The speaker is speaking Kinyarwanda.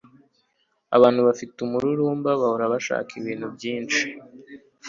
abantu bafite umururumba bahora bashaka ibintu byinshi